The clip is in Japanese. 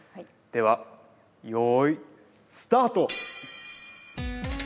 では用意スタート！